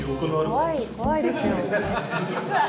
怖い怖いですよ。